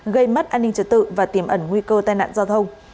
gây mất an ninh trật tự và tiềm ẩn nguy cơ tai nạn giao thông